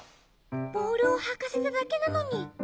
ボールをはかせただけなのに。